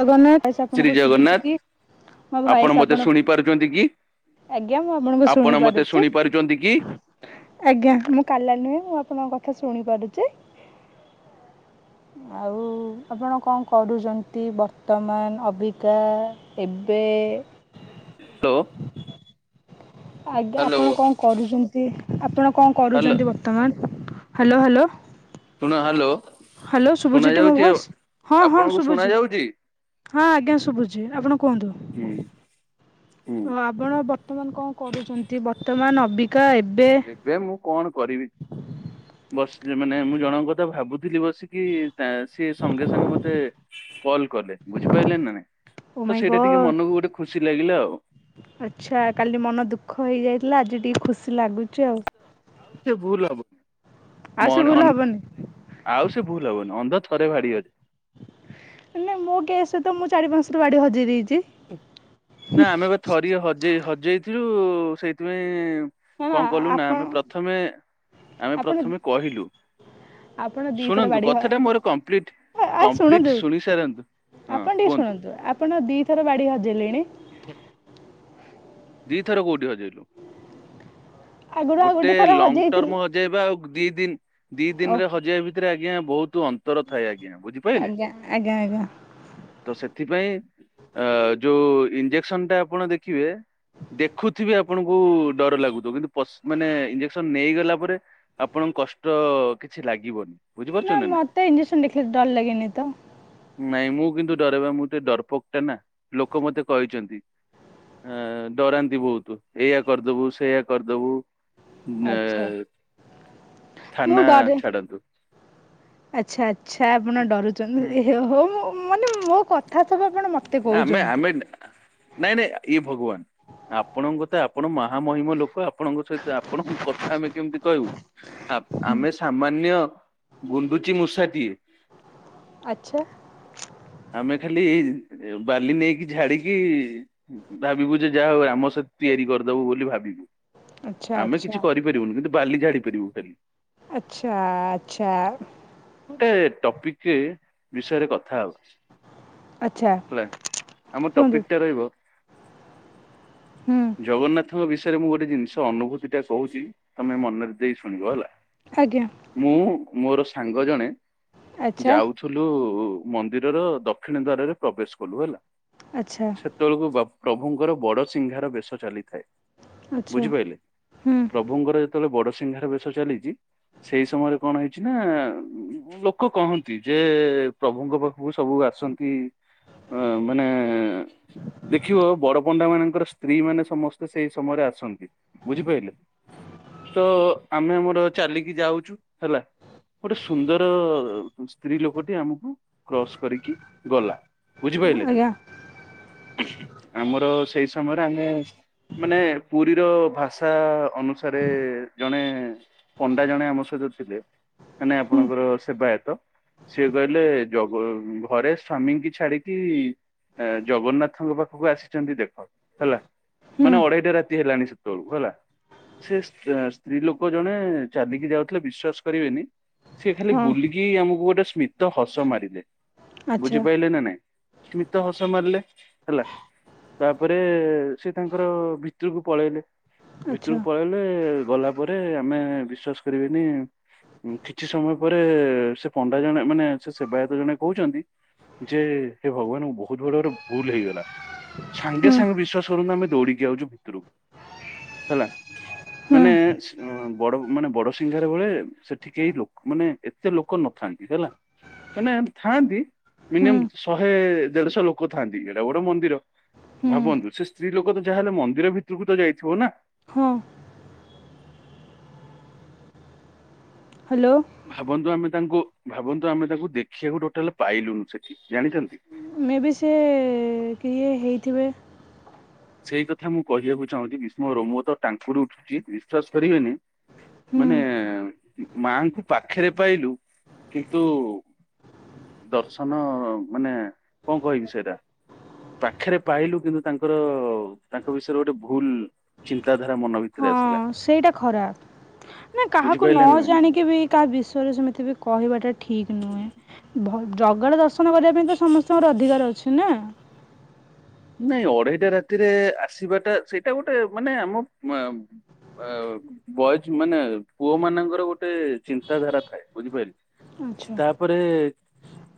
Jagannath voice Shri ଆପଣଙ୍କୁ ଶୁଭୁଛି ଜଗନ୍ନାଥ। କି? ମୋ ଭଏସ ଆପଣ ମତେ ଆପଣଙ୍କୁ ଶୁଣି ପାରୁଛନ୍ତି କି? ଆଜ୍ଞା ମୁଁ ଆପଣଙ୍କୁ ଶୁଣି ଆପଣ ମତେ ପାରୁଛି। ଶୁଣି ପାରୁଛନ୍ତି କି? ଆଜ୍ଞା ମୁଁ କାଲା ନୁହେଁ? ମୁଁ ଆପଣଙ୍କ କଥା ଶୁଣି ପାରୁଛି। ଆଉ ଆପଣ କଣ କରୁଛନ୍ତି? ପ୍ରତି, ବର୍ତ୍ତମାନ, ଅବିକା, ଏବେ [inaudible] ଲୋ ଆଜ୍ଞା। ଆପଣ କଣ କରୁଛନ୍ତି? ଆପଣ କଣ ହ୍ୟାଲୋ କରୁଛନ୍ତି? ବ୍ରତ ବର୍ତ୍ତମାନ ହ୍ୟାଲୋ ହ୍ୟାଲୋ। ଶୁଣ ହ୍ୟାଲୋ। ହ୍ୟାଲୋ ଶୁଣା ସୁୁଭୁଜିଟି ମୋ ଯାଉଛି ଆଉ ଭଏସ। ହଁ ହଁ ଆପଣଙ୍କୁ ଶୁଣା ସୁୁଵୁଚି। ଯାଉଛି? ହଁ, ଆଜ୍ଞା। ଶୁଭୁଛି ଆପଣ କୁହନ୍ତୁ? ହୁଁ, ହୁଁ ଅ ଆପଣ ବର୍ତ୍ତମାନ କଣ କରୁଛନ୍ତି? ବର୍ତ୍ତମାନ ଅବିକା ଏବେ ଏବେ ମୁଁ କଣ କରିବି? ବସିଛି ମାନେ ମୁଁ ଜଣଙ୍କ କଥା ଭାବୁଥିଲି। ବସିକି ସିଏ ସଙ୍ଗେ ସଙ୍ଗେ ମତେ କଲ କଲେ। ବୁଝିପାଇଲେନି ନା ନାଇଁ? ଓ ତ ମାଇଁ ସେଇଟା ଟିକେ ଗଡ୍ ମନକୁ ଗୋଟେ ଖୁସି ଲାଗିଲା ଆଉ। ଆଚ୍ଛା। କାଲି ମନ ଦୁଃଖ ହେଇଯାଇଥିଲା। ଆଜି ଟିକେ ଖୁସି ଲାଗୁଛି ଆଉ। ଆଉ ସେ ଭୁଲ ହବନି। ଆଉ ସେ ଭୁଲ ମନ୍ଅ ହବନି ଆଉ ସେ ଭୁଲ ହବନି। ଅନ୍ଧ ଥରେ ଭାଡି ହଜା। ନାଇଁ ମୋ କେସେରେ ତମୁଁ ଚାରି ପାହାସ ଥର ବାଡି ହଜେଇ ଦେଇଛି। ନା ଆମେ ଏବେ ଥରିଏ। ହଜେଇ ଇ ହଜେଇ ଇଥିଲୁ ସେଇଥିପାଇଁ। ହେଲା କଣ କଲୁ ନା। ଆପଣ ଆମେ ପ୍ରଥମେ, ଆମେ ଆପଣ ପ୍ରଥମେ କହିଲୁ। ଆପଣ ଦିଥର ଶୁଣନ୍ତୁ? ବାଡ଼ି ହ କଥା ଟା ମୋର କମ୍ପ୍ଲିଟ। ଆ କମ୍ପ୍ଲିଟ ଶୁଣନ୍ତୁ ଶୁଣି ସାରନ୍ତୁ ହଁ ଆପଣ ଟିକେ କୁହନ୍ତୁ। ଶୁଣନ୍ତୁ ଆପଣ ଦିଥର ବାଡି ହଜେଇଲେଣି? [inaudible] ଦିଥର କୋଉଟି ହଜେଇଲୁ ଆଗରୁ ଆଉ ଗୋଟେ ଥର ଲଙ୍ଗ ହଜେଇଥିଲି ଟର୍ମ ସେ ପା ଆଉ ଦି ଦିନି ଦି ଓହ ଦିନରେ ହଜେଇବା ଭିତରେ ଅଜ୍ଞା ବହୁତ୍ ଅନ୍ ନ୍ତର ଥାଏ ଆଜ୍ଞା ବୁଝିପାଇଲେ। ଆଜ୍ଞା ଆଜ୍ଞା ଆଜ୍ଞା ତ ସେଥିପାଇଁ ଅ ଯୋଉ ଇଞ୍ଜେକ୍ସନଟା ଆପଣ ଦେଖିବେ ଦେଖୁଥିବେ ଆପଣଙ୍କୁ ଡର ଲାଗୁଥିବ କିନ୍ତୁ ପସ୍ ମାନେ ଇଞ୍ଜେକ୍ସନ ନେଇଗଲା ପରେ ଆପଣଙ୍କୁ କଷ୍ଟ କିଛି ଲାଗିବନି। ନା ବୁଝିପାରୁଛନ୍ତି ନାଇଁ? ମୋତେ ଇଞ୍ଜେକ୍ସନ୍ ଦେଖିଲେ ଡର ଲାଗେନି ତ? ନାଇଁ ମୁଁ କିନ୍ତୁ ଡରେବା ମୁଁ ଟିକେ ଡରପୋକ୍ ଟା ନା ଲୋକ ମତେ କହିଚନ୍ତି। ଆ ଡରାନ୍ତି ବହୁତ ଏଇଆ କରିଦବୁ ସେଇଆ କରିଦବୁ। ନା ଆଚ୍ଛା ଥାନା ଛାଡନ୍ତୁ। ଆଚ୍ଛା-ଆଚ୍ଛା ଆପଣ ଡରୁଛନ୍ତି ହଉ ମୁଁ ମାନେ ମୋ କଥା ସବୁ ଆପଣ ମତେ ଆମେ କହୁଛନ୍ତି ଆମେ ନାଇଁ-ନାଇଁ ଇଏ ଭଗବାନ ଆପଣଙ୍କ ତ ଆପଣ ମହାମହିମ ଲୋକ ଆପଣଙ୍କ ସହିତ ଆପଣଙ୍କ କଥା ଆମେ କେମିତି କହିବୁ, ଆମେ ସାମାନ୍ୟ ଗୁଣ୍ଡୁଚିମୂଷାଟିଏ। ଆଛା। ଆମେ ଖାଲି ଏଇ ବାଲି ନେଇକି ଝାଡିକି ଭାବିବୁ ଯେ ଯାହା ହଉ ରାମସେତୁ ତିଆରି କରିଦବୁ ବୋଲି ଭାବିବୁ। ଆଚ୍ଛା ଆମେ ଆଚ୍ଛା କିଛି କରିପାରିବୁନି କିନ୍ତୁ ବାଲି ଝାଡି ପାରିବୁ ଖାଲି। ଆଚ୍ଛା-ଆଚ୍ଛା। ଗୋଟେ ଟପିକଟେ ବିଷୟରେ କଥା ହଉଛି। ଆଚ୍ଛା ହେଲା ଆମ କୁହନ୍ତୁ ଟପିକ୍ ଟା ରହିବ ହୁଁ ଜଗନ୍ନାଥଙ୍କ ବିଷ ୟରେ ମୁଁ ଗୋଟେ ଜିନିଷ ଅନୁଭୂତିଟା କହୁଚି, ତମେ ମନରେ ଦେଇ ଶୁଣିବ ହେଲା। ଆଜ୍ଞା। ମୁଁ ମୋର ସାଙ୍ଗ ଜଣେ ଆଚ୍ଛା ଯାଉ ଥିଲୁ ମନ୍ଦିରର ଦକ୍ଷିଣ ଦ୍ଵାରରେ ପ୍ରବେଶ କଲୁ ହେଲା। ଆଚ୍ଛା। ସେତେବେଳକୁ ପ୍ରଭୁଙ୍କର ବଡସିଂହାର ବେଶ ଚାଲିଥାଏ ଆଚ୍ଛା ବୁଝିପାଇଲେ ହୁଁ ପ୍ର ପ୍ରଭୁଙ୍କର ଯେତେବେଳେ ବଡସିଂହାର ବେଶ ଚାଲିଛି ସେଇ ସମୟରେ କଣ ହେଇଛି ନା? ଲୋକ କହନ୍ତି ଯେ ପ୍ରଭୁଙ୍କ ପାଖକୁ ସବୁ ଆସନ୍ତି ହଁ ମାନେ ଦେଖିବ ବଡପଣ୍ଡା ମାନଙ୍କର ସ୍ତ୍ରୀ ମାନେ ସମସ୍ତେ ସେଇ ସମୟରେ ଆସନ୍ତି। ବୁଝିପାଇଲେ ତ ଆମେ ଆମର ଚାଲିକି ଯାଉଚୁ ହେଲା। ଗୋଟେ ସୁନ୍ଦର ସ୍ତ୍ରୀ ଲୋକଟି ଆମକୁ କ୍ରସ୍ କରିକି ଗଲା। ବୁଝିପାରିଲେ ଆଜ୍ଞା। ଆମର ସେଇ ସମୟରେ ଆମେ ମାନେ ପୁରୀର ଭାଷା ଅନୁସାରେ ଜଣେ ପଣ୍ଡା ଜଣେ ଆମ ସହିତ ଥିଲେ। ମାନେ ହୁଁ ଆପଣଙ୍କର ସେବାୟତ। ସିଏ କହିଲେ ଜଗ ଘରେ ସ୍ଵାମୀଙ୍କି ଛାଡିକି ଜଗନ୍ନାଥଙ୍କ ପାଖକୁ ଆସିଛନ୍ତି ଦେଖ ହେଲା ହୁଁ ମାନେ ଅଢେଇଟା ରାତି ହେଲାଣି ସେ ସେତବେଳକୁ ହେଲା, ସେ ସ୍ତ୍ରୀ ଲୋକ ଜଣେ ଚାଲିକି ଯାଉଥିଲେ ବିଶ୍ଵାସ କରିବେନି ସେ ଖାଲି ହଁ ବୁଲିକି ଆମକୁ ଗୋଟେ ସ୍ମିତ ହସ ମାରିଦେଲେ, ଆଚ୍ଛା ବୁଝିପାରିଲେ ନା ନାଇଁ? ସ୍ମିତ ହସ ମାରିଲେ ହେଲା। ତାପରେ ସେ ତାଙ୍କର ଭିତୁରୁକୁ ପଳେଇଲେ। ଆଚ୍ଛା ଭିତରକୁ ପଳେଇଲେ ଗଲା ପରେ ଆମେ ବିଶ୍ବାାସ କରିବେନି କିଛି ସମୟ ପରେ ସେ ପଣ୍ଡା ଜଣେ ମାନେ ସେ ସେବାୟତ ଜଣେ କହୁଛନ୍ତି ଯେ ହେଁ ଭଗବାନଙ୍କୁ ବହୁତ ବଡ ଗୋଟ ଭୁଲ ହେଇଗଲା। ସାଙ୍ଗେ ହୁଁ ସାଙ୍ଗେ ବିଶ୍ଵାସ କରୁନ୍ତୁ ଆମେ ଦୌଡିକି ଆଉଛୁ ଭିତରକୁ। ହେଲା। ହୁଁ ମାନେ ବଡ ମାନେ ବଡ ଶିଙ୍ଗାର ବଳେ ସେ ଟିକେ ଲୋକ ମାନେ ଏତେ ଲୋକ ନଥାନ୍ତି ହେଲା। ମାନେ ଥାଆନ୍ତି, ହୁଁ ମିନିମମ୍ ଶହେ ଦେଢଶହ ଲୋକ ଥାଆନ୍ତି। ଏଡ଼େ ବଡ଼ ମନ୍ଦିର। ହୁଁ ଭାବନ୍ତୁ, ସେ ସ୍ତ୍ରୀ ଲୋକ ତ ଯାହାହେଲେ ମନ୍ଦିର ଭିତରକୁ ତ ଯାଇଥିବ ନା। ହଁ। ହ୍ୟାଲୋ। ଭାବନ୍ତୁ ଆମେ ତାଙ୍କୁ, ଭାବନ୍ତୁ ଆମେ ତାଙ୍କୁ ଦେଖିବାକୁ ଟୋଟାଲ ପାଇଲୁନୁ ସେଠି ଜାଣିଛନ୍ତି। ମେ ବି ସିଏ ଏ କିଏ ହେଇଥିବେ? ସେଇ କଥା ମୁଁ କହିବାକୁ ଚାହୁଁଛି ବିଷ୍ମ ରୋମ ତ ଟାଙ୍କୁରି ଉଠୁଛି, ବିଶ୍ୱାସ କରିବେନି ହୁଁ ମାନେ ମାଙ୍କୁ ପାଖରେ ପାଇଲୁ, କିନ୍ତୁ ଦର୍ଶନ ନ ମାନେ କଣ କହିବି ସେଇଟା? ପାଖରେ ପାଇଲୁ କିନ୍ତୁ ତାଙ୍କର, ତାଙ୍କ ବିଷୟରେ ଗୋଟେ ଭୁଲ ଚିନ୍ତାଧାରା ମନ ଭି ହ ସେଇଟା ଖରାପ। ନା କାହାକୁ ନ ବୁଝିପାରିଲେ ନୁହେଁ ଜାଣି କେ ବି କାହା ବିଷୟରେ ସେମିତି ବି କହିବାଟା ଠିକ ନୁହେଁ। ଭଗ- ଜଗାର ଦର୍ଶନ କରିବା ପାଇଁ ତ ସମସ୍ତଙ୍କର ଅଧିକାର ଅଛି ନା। ନାଇଁ ଅଢେଇଟା ରାତିରେ ଆସିବାଟା ସେଇଟା ଗୋଟେ ମାନେ ଆମ ମ ଏଉ ବୟଜ ମାନେ ପୁଅ ମାନଙ୍କର ଗୋଟେ ଚିନ୍ତାଧାରା ଥାଏ, ବୁଝିପାରିଲେ। ଆଚ୍ଛା ତାପରେ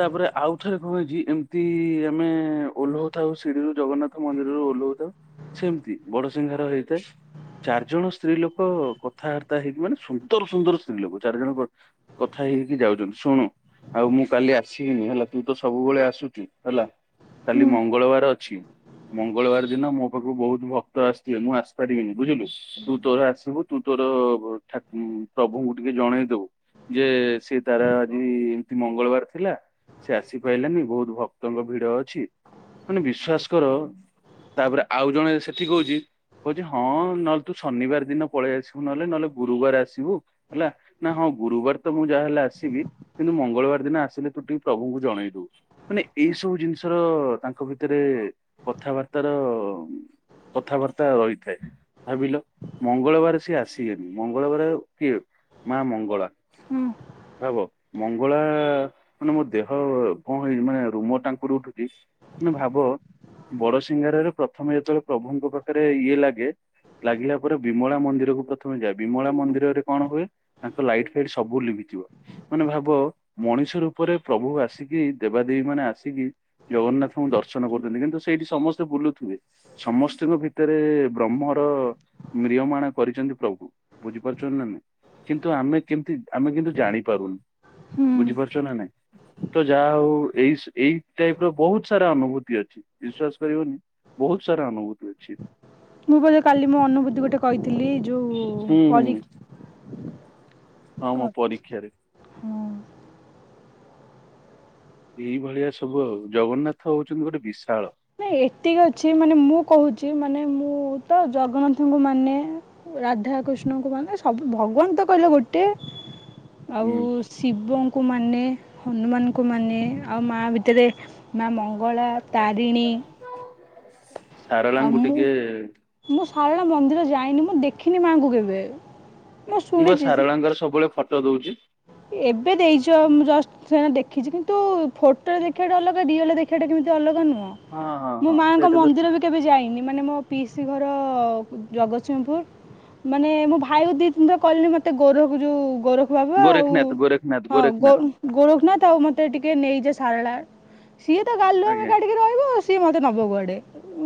ତାପରେ ଆଉ ଥରେ କଣ ହେଇଛି, ଏମିତି ଆମେ ଓହୋଉ ଥାଉ ସିଡିରୁ ଜଗନ୍ନାଥ ମନ୍ଦିରରୁ ଓହ୍ଲଉଥାଉ। ସେମିତି ବଡସିଂହହାର ହେଇଥାଏ। ଚାରିଜଣ ସ୍ତ୍ରୀ ଲୋକ କଥାବାର୍ତ୍ତା ହେଇକି, ମାନେ ସୁନ୍ଦର ସୁନ୍ଦର ସ୍ତ୍ରୀ ଲୋକ ଚାରି ଜଣ କଥା ହେଇକି ଯାଉଛନ୍ତି ଶୁଣୁ ଆଉ ମୁଁ କାଲି ଆସିବିନି ହେଲା, ତୁ ତ ସବୁବେଳେ ଆସୁଛୁ ହେଲା। କାଲି ହୁଁ ମଙ୍ଗଳବାର ଅଛ ଛି, ମଙ୍ଗଳବାର ଦିନ ମୋ ପାଖକୁ ବହୁତ ଭକ୍ତ ଆସିଥିବେ, ମୁଁ ଆସି ପାରିବିନି ବୁଝିଲୁ। ତୁ ତୋର ଆସିବୁ, ତୁ ତୋରା ଠକୁ ପ୍ରଭୁଙ୍କୁ ଟିକେ ଜଣେଇଦବୁ। ଯେ ସିଏ ତାର ଆଜି ଏମତି ମଙ୍ଗଳବାର ଥିଲା। ସେ ଆସିପାରିଲାନି ବହୁତ ଭକ୍ତଙ୍କ ଭିଡ ଅଛି। ମାନେ ବିଶ୍ଵାସ କର ତାପରେ ଆଉ ଜଣେ ସେଠି କହୁଛି କହୁଛି ହଁ ନହେଲେ ତୁ ଶନିବାର ଦିନ ପଳେଇ ଆସିବୁ ନହେଲେ ନହେଲେ ଗୁରୁବାର ଆସିବୁ ହେଲା। ନା ହଁ ଗୁରୁବାର ତ ମୁଁ ଯାହାହେଲେ ଆସିବି। କିନ୍ତୁ ମଙ୍ଗଳବାର ଦିନ ଆସିଲେ ତୁ ଟିକେ ପ୍ରଭୁଙ୍କୁ ଜଣେଇ ଦବୁ। ମାନେ ଏଇ ସବୁ ଜିନିଷର ତାଙ୍କ ଭିତରେ ଭିତରେ କଥାବାର୍ତ୍ତା ର କଥାବାର୍ତ୍ତା ରହିଥାଏ। ଭାବିଲ ମଙ୍ଗଳବାର ସିଏ ଆସିବେନି, ମଙ୍ଗଳବାର କିଏ? ମା ମଙ୍ଗଳା। ହଁ। ଭାବ ମଙ୍ଗଳା ଳା ମାନେ ମୋ ଦେହ ଭଁ ହେଇଛି ମାନେ ରୁମ ଟାଙ୍କୁରି ଉଠୁଛି। ମନେ ଭାବ ବଡ ସିଂଘାର ରେ ପ୍ରଥମେ ଯେତେବେଳେ ପ୍ରଭୁଙ୍କ ପାଖରେ ଇଏ ଲାଗେ ଲାଗିଲା ପରେ ବିମଳା ମନ୍ଦିର କୁ ପ୍ରଥମେ ଯାଏ, ବିମଳା ମନ୍ଦିରରେ କଣ ହୁଏ? ତାଙ୍କ ଲାଇଟ୍ ଫାଇଟ୍ ସବୁ ଲିଭିଥିବ। ମାନେ ଭାବ ମଣିଷ ରୂପରେ ପ୍ରଭୁ ଆସିକି ଦେବାଦେବୀ ମାନେ ଆସିକି ଜଗନ୍ନାଥ ଦର୍ଶନ କରୁଛନ୍ତି, କିନ୍ତୁ ସେଇଠି ସମସ୍ତେ ବୁଲୁଥିବେ। ସମସ୍ତଙ୍କ ଭିତରେ ବ୍ରହ୍ମର ମ୍ରିୟମାଣ କରିଛନ୍ତି ପ୍ରଭୁ। ବୁଝିପାରୁଛନ୍ତି ନା ନାହଁ। କିନ୍ତୁ ଆମେ କେମତି ଆମେ କିନ୍ତୁ ଜାଣି ପାରୁନୁ। ହୁଁ ବୁଝିପାରୁଛ ନା ନାଇଁ। ତ ଯାହା ହଉ ଏଇ - ଏଇ ଟାଇପ ର ବହୁତ ସାରା ଅନୁଭୂତି ଅଛି ବିଶ୍ଵାସ କରିବନି ବହୁତ ସାରା ଅନୁଭୂତି ଅଛି। ମୁଁ ବୋଧେ କାଲି ମୋ ଅନୁଭୂତି ଗୋଟେ କହିଥିଲି ଯୁ ହୁଁ ହୁଁ ପରୀକ୍ଷା ହଁ ମୋ ପରୀକ୍ଷାରେ ଏଇ ଭଳିଆ ସବୁ ଆଉ ଜଗନ୍ନାଥ ହଉଛନ୍ତି ଗୋଟେ ବିଶାଳ। ନାଇଁ ଏତିକି ଅଛି ମାନେ ମୁଁ କହୁଛି ମାନେ ମୁଁ ତ ଜଗନ୍ନାଥଙ୍କୁ ମାନେ। ରାଧାକୃଷ୍ଣଙ୍କୁ ମାନେ ସବୁ ଭଗବାନ ତ କହିଲେ ଗୋଟେ। ଆଉ ହୁଁ। ଶିବଙ୍କୁ ମାନେ ହନୁମାନଙ୍କୁ ମାନେ ଆଉ ମା ଭିତରେ ମା ମଙ୍ଗଳା ତାରିଣୀ ଆଉ ସାରଳାଙ୍କୁ ମୁଁ ଟିକେ ମୁଁ ଶାରଳା ମନ୍ଦିର ଯାଇନି ମୁଁ ଦେଖିନି ମାଆଙ୍କୁ କେବେ ମୁଁ ବା ସାରଳାଙ୍କର ସବୁବେଳେ ଫଟୋ ଦଉଛି। ଏବେ ଦେଇଛ ମୁଁ ଜଷ୍ଟ ସେ ଦେଖିଛି କିନ୍ତୁ ଫଟୋରେ ଦେଖିବାଟା ଅଲଗା ରିଅଲରେ ଦେ ଖିଆଟା କେମିତି ଅଲଗା ନୁହଁ ହଁ ହଁ ମୋ ହଁ ମାଆଙ୍କ ସେଇଟା ତ ମନ୍ଦିର ଭି କେବେ ଯାଇନି ମାନେ ମୋ ପିସି ଘର ଜଗତସିଂହପୁର। ମାନେ ମୋ ଭାଇ କୁ ଦି ତିିନି ଥର କହିଲଣି ମତେ ଗୋରକୁ ଯୋଉ ଗୋର ବା [unintelligible] ଗୋରେଖନାଥ ଗୋରେଖନାଥ ହଁ ଗୋ ଗୋରେଖନାଥ ଗୋରଖନାଥ ଆଉ ମତେ ଟିକେ ନେଇଯା ସାରଳା। ସିଏ ତ ଗାଲୁଆମି ଆଜ୍ଞା। କାଢ଼ିକି ରହିବ ସିଏ ମୋତେ ନେବକୁୁଆଡ଼େ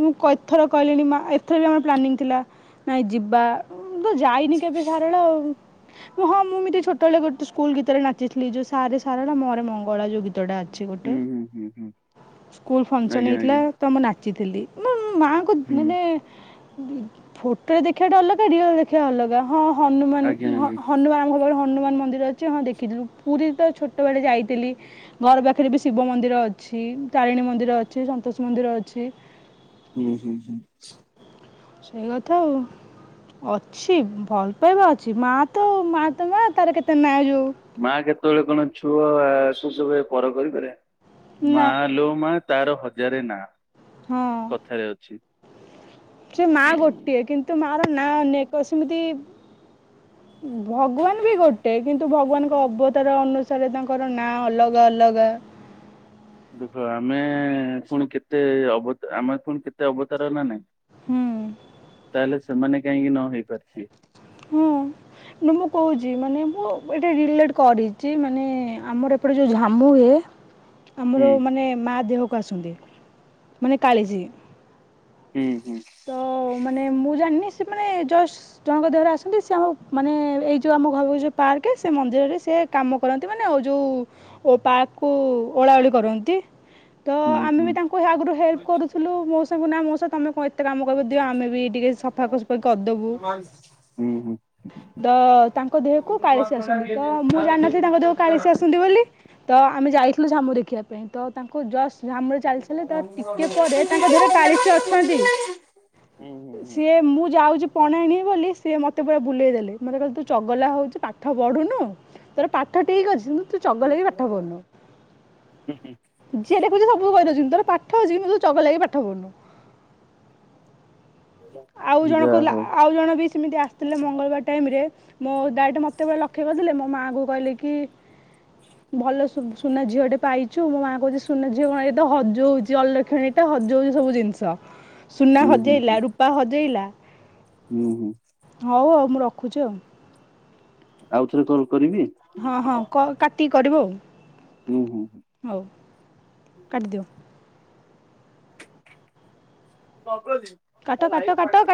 ମୁଁ କଇଥର କହିଲେଣି ମା ଏଥର ବି ଆମର ପ୍ଲାନିଂ ଥିଲା। ନାଇଁ ଯିବା ମୁ ତ ଯାଇନି କେବେ ସାରଳ ଆଉ ହଁ ମୁଁ ଏମତି ଛୋଟ ଗୋଟେ ସ୍କୁଲ ଗୀତରେ ନାଚଥିଲି ଯୋଉ ସାରେ ସାରଳା ମରେ ମଙ୍ଗଳ ଯୋଉ ଗୀ ତଡ଼ା ଅଛି ଗୋଟେ ହୁଁ ହୁଁ ହୁଁ ହୁଁ ସ୍କୁଲ ଫଙ୍କସନ ଆଜ୍ଞା ହେଇଥିଲା। ଆଜ୍ଞା ଗୀତ ମୁଁ ନାଚିଥିଲି। ନାଁ ମୁଁ ମାଆଙ୍କୁ ହୁଁ ମାନେ ଫୋଟୋରେ ଦେଖିବା ଟା ଅଲଗା ରିଅଲରେ ଦେଖିବା ଅଲଗା, ହଁ ହନୁମାନ ଆଜ୍ଞା ଆଜ୍ଞା ହନୁମାନଙ୍କ ହ ହନୁମାନ ମନ୍ଦିର ଅଛି ହଁ ଦେଖିଥିଲୁ ପୁରୀ ତ ଛୋଟବେଳେ ଯାଇଥିଲି। ଘର ପାଖରେ ବି ଶିବ ମନ୍ଦିର ଅଛି ତାରିଣୀ ମନ୍ଦିର ଅଛି ସନ୍ତୋଷ ମନ୍ଦିର ଅଛି। ହୁଁ ହୁଁ ହୁଁ। ସେଇ କଥା ଆଉ। ଅଛି ଭଲ ପାଇବା ଅଛି, ମା ତ ମା ତ ମା ତାର କେତେ ନାଁ ଯୋଉ ମା କେତେବେଳେ କଣ ଛୁଆ ସେ ସବୁରେ ପର କରିଦେଲେ। ନା ମା ଲୋ ମା ତାର ହଜାରେ ନାଁ। ହଁ। କଥାରେ ଅଛି। ସେ ମା ଗୋଟିଏ କିନ୍ତୁ ମା ର ନାଁ ଅନେକ ସେମିତି ଭଗବାନ୍ ବି ଗୋଟେ। କିନ୍ତୁ ଭଗବାନଙ୍କ ଅବତାର ଅନୁସାରେ ତାଙ୍କର ନାଁ ଅଲଗା ଅଲଗା। ଦେଖ ଆମେ ପୁଣି କେତେ ଅବ ଆମେ ପୁଣି କେତେ ଅବତାର ହେଲା ନାଇଁ। ହୁଁ ତାହେଲେ ସେମାନେ କାହିଁକି ନ ହେଇ ପାରୁଥିବେ। ହଁ ନା ମୁଁ କହୁଛି ମାନେ ମୁଁ ଏଇଟା ରିଲେଟ୍ କରିଛି ମାନେ ଆମର ଏପଟେ ଯୋଉ ଝାମୁ ହୁଏ। ଆମର ହୁଁ ମାନେ ମା ଦେହକୁ ଆସନ୍ତି ମାନେ କାଳିଶି। ହୁଁ ହୁଁ। ତ ମାନେ ମୁଁ ଜାଣିନି ସେ ମାନେ ଜଷ୍ଟ୍ ଜଣଙ୍କ ଦେହରେ ଆସନ୍ତି ସେ ଆମ ମାନେ ଏଇ ଯୋଉ ଆମ ଘରକୁ ଯୋଉ ପାର୍କ ସେ ମନ୍ଦିରରେ ସେ କାମ କରନ୍ତି ମାନେ ଆଉ ଯୋଉ ପା କୁ ଓଳାଓଳି କରନ୍ତି ତ ହୁଁ ଆମେ ହୁଁ ବି ତାଙ୍କୁ ଆଗରୁ ହେଲ୍ପ କରୁଛୁ। ଥିଲୁ ମଉସା କୁ ନା ମଉସା ତୋମେ କହି କେତେ କାମ କରିବ ଦିଅ ଆମେ ବି ଟିକେ ସଫାସଫା କରିଦବୁ। ହୁଁ ହୁଁ। ତ ତାଙ୍କ ଦେହକୁ କାଳିସୀ ଆସନ୍ତି, ତ ମୁଁ ଜାଣିନଥିଲି ତାଙ୍କ ଦେହକୁ କାଳିସୀ ଆସନ୍ତି ବୋଲି। ତ ଆମେ ଯାଇଥିଲୁ ଝାମୁ ଦେଖିବା ପାଇଁ ତ ତାଙ୍କ କୁ ଜଷ୍ ଝାମୁରେ ଚାଲିଚାଲି ତା ଟିକେ ପରେ ତାଙ୍କ ଧିଅରେ କାଳିସୀ ଅଛନ୍ତି। ହୁଁ ହୁଁ ହୁଁ। ସିଏ ମୁଁ ଯାଉଛି ପଣା ଆଣିବି ବୋଲି ସିଏ ମୋ ତେ ପୁରା ବୁଲେଇ ଦେଲେ, ମୋତେ କହିଲେ ତୁ ଚଗଲା ହଉଚୁ, ପାଠ ପଢୁନୁ ତୋର ପାଠ ଠିକ୍ ଅଛି। ତୁ ଚଗଲା ହେଇକି ପାଠ ପଢନୁ, ଯିଏ ଦେଖୁଛି ସବୁ କହିଦଉଛନ୍ତି ତୋର ପା ଠ ଅଛି କିନ୍ତୁ ତୁ ଚଗଲା ହେଇକି ପାଠ ପଢୁନୁ। ଆଉ ଜଣ ଯାହା କଇଲା, ହଉ ଆଉ ଜଣ ବି ସେମିତି ଆସିଥିଲେ ମଙ୍ଗଳବାର ଟାଇମ୍ ରେ ମୋ ଡାଇରେକ୍ଟ ମୋତେ [unintelligible] ଲକ୍ଷ୍ୟ କରିଥିଲେ, ମୋ ମାଆ କୁ କହିଲେ କି ହ ଭଲ ସୁ-ସୁନା ଝିଅ ଟେ ପାଇଛୁ, ମୋ ମାଆ କହୁଛି ସୁନା ଝିଅ କଣ, ଏ ତ ହଜଉଚି ଅଲକ୍ଷଣୀ ଟା ହଜଉଚି ସବୁ ଜିନିଷ। ହ୍ ସୁନା ହଜେଇଲା, ରୂପା ହଜେଇଲା। ହୁଁ, ହୁଁ। ହଉ ହଉ ମୁଁ ରଖୁଛି ଆଉ। ଆଉ ଥରେ କଲ୍ କରିବି? ହଁ, ହଁ କଲ୍ କାଟିକି କରିବ। ଉଁ, ହଁ, ହଁ। ହଉ। କାଟିଦିଅ। [unintelligible] କାଟ, କାଟ, କାଟ, କା